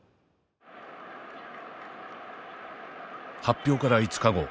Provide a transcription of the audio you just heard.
発表から５日後。